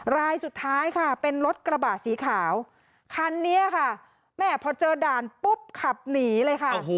รายสุดท้ายค่ะเป็นรถกระบะสีขาวคันนี้ค่ะแม่พอเจอด่านปุ๊บขับหนีเลยค่ะ